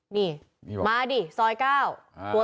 นี่มาดิซอยก้าว